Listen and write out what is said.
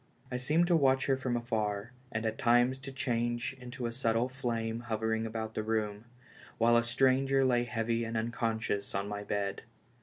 I seemed to watch her from afar, and at times to change into a subtle flame hovering about the room, while a stranger lay heavy and unconscious on my bed.